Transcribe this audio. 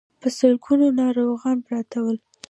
په سلګونو ناروغان پراته ول.